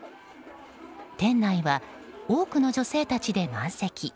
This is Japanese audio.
店内は多くの女性たちで満席。